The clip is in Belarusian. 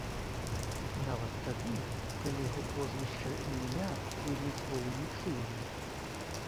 Нават тады, калі яго прозвішча і імя вы ніколі не чулі.